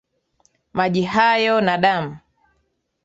Maji hayo na damu,